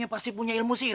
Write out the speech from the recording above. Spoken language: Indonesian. atau pribu puyaka z dismiss